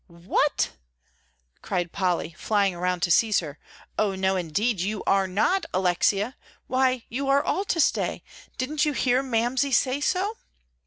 "What?" cried Polly, flying around to seize her. "Oh, no, indeed, you are not, Alexia. Why, you are all to stay; didn't you hear Mamsie say so?"